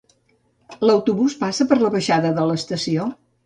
L'autobús passa per la baixada de l'estació?